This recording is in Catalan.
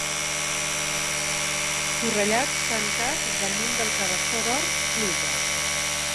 Forrellat tancat damunt del Cabeçó d'Or, pluja.